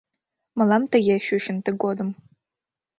Мылам тыге чучын тыгодым: